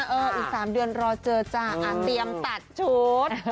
เอออีก๓เดือนรอเจอจ้ะอ่าเรียนตัดชุด